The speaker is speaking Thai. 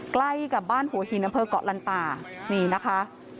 ใกล้กับบ้านหัวหินอำเภอกเกาะลันตานี่นะคะ